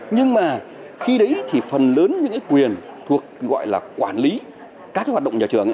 nhưng mà khi đấy thì phần lớn những quyền thuộc gọi là quản lý các hoạt động nhà trường